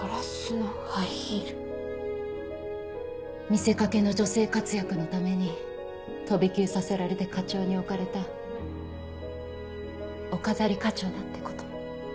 見せ掛けの女性活躍のために飛び級させられて課長に置かれたお飾り課長だってこと。